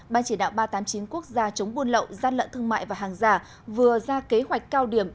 ban chỉ đạo ba trăm tám mươi chín quốc gia chống buôn lậu gian lận thương mại và hàng giả vừa ra kế hoạch cao điểm